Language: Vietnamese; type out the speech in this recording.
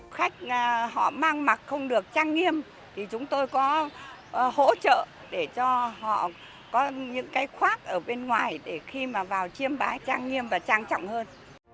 khách họ mang mặc không được trang nghiêm thì chúng tôi có hỗ trợ để cho họ có những cái khoác ở bên ngoài để khi mà vào chiêm bái trang nghiêm và trang trọng hơn